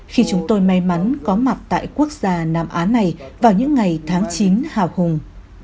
khi chúng tôi may mắn có mặt tại quốc gia nam á này vào những ngày tháng chín hào hùng